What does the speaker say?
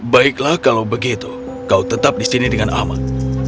baiklah kalau begitu kau tetap di sini dengan aman